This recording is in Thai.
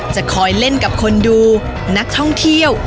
จะคอยเล่นกับคนดูนักท่องเที่ยว